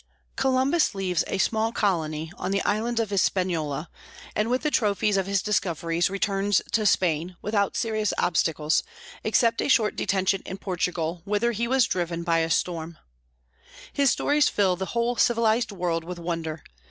Columbus leaves a small colony on the island of Hispaniola, and with the trophies of his discoveries returns to Spain, without serious obstacles, except a short detention in Portugal, whither he was driven by a storm. His stories fill the whole civilized world with wonder.